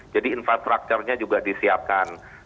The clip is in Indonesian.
jadi infrastrukturnya juga disiapkan